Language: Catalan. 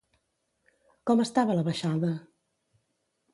Com estava la baixada?